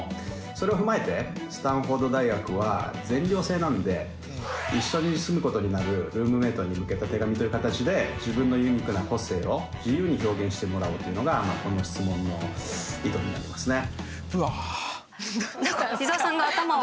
それを踏まえてスタンフォード大学は全寮制なんで一緒に住むことになるルームメイトに向けた手紙という形で自分のユニークな個性を自由に表現してもらおうというのがこの質問の意図になりますね。